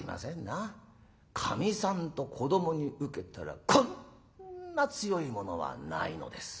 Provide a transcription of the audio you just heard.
かみさんと子どもに受けたらこんな強いものはないのです。